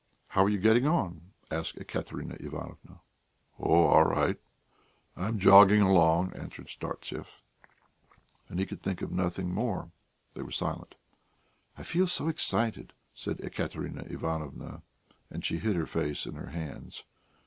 "How are you getting on?" asked Ekaterina Ivanovna. "Oh, all right; I am jogging along," answered Startsev. And he could think of nothing more. They were silent. "I feel so excited!" said Ekaterina Ivanovna, and she hid her face in her hands.